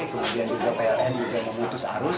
kemudian juga pln juga memutus arus